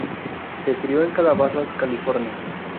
Se crio en Calabasas, California.